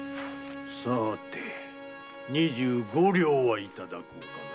さあて二十五両はいただこうかな。